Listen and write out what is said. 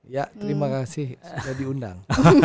ya terima kasih sudah diundang